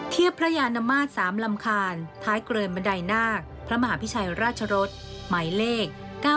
พระยานมาตร๓ลำคาญท้ายเกินบันไดนาคพระมหาพิชัยราชรสหมายเลข๙๙